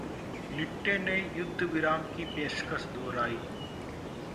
लिट्टे ने युद्धविराम की पेशकश दोहराई